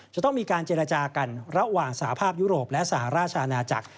จะต้องมีการเจรจากันระหว่างสหภาพยุโรปและสหราชอาณาจักร